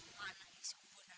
mana yang sempurna